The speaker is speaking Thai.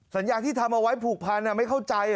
สัญญาที่ทำเอาไว้ผูกพันไม่เข้าใจ